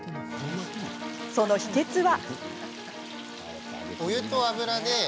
その秘けつは。